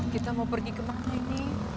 kita mau pergi ke mana ini